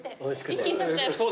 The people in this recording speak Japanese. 一気に食べちゃいました。